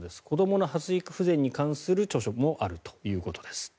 子どもの発育不全に関する著書もあるということです。